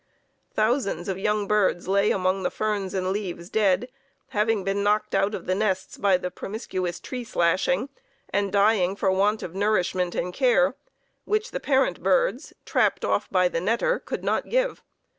Thousands of young birds lay among the ferns and leaves dead, having been knocked out of the nests by the promiscuous tree slashing, and dying for want of nourishment and care, which the parent birds, trapped off by the netter, could not give.